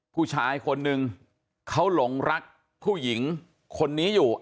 ผู้ชายคนนึงเขาหลงรักผู้หญิงคนนี้อยู่